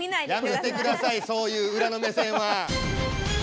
やめてくださいそういううらの目線は。